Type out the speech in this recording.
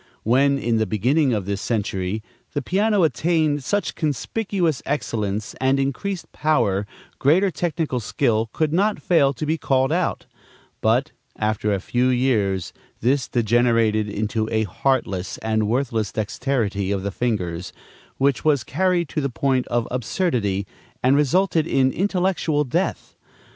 When, in the beginning of this century, the piano attained such conspicuous excellence and increased power, greater technical skill could not fail to be called out; but, after a few years, this degenerated into a heartless and worthless dexterity of the fingers, which was carried to the point of absurdity and resulted in intellectual death.